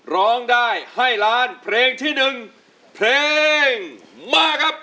ร้องได้ให้ล้านเพลงที่๑เพลงมาครับ